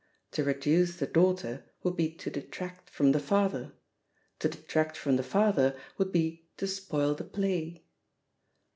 To reduce the daugh ter would be to detract from the father — ^to de tract from the father would be to spoil the play.